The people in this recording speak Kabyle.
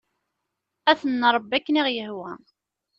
Ad ten-nṛebbi akken i ɣ-yehwa.